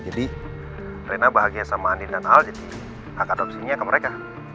jadi rena bahagia sama andi dan al jadi hak adopsinya ke mereka